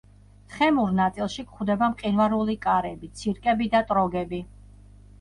თხემურ ნაწილში გვხვდება მყინვარული კარები, ცირკები და ტროგები.